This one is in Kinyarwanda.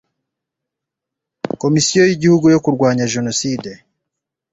Komisiyo y Igihugu yo Kurwanya Jenoside